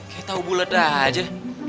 kayak tau bule dah aja